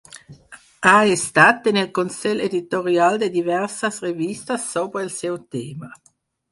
Ha estat en el Consell editorial de diverses revistes sobre el seu tema.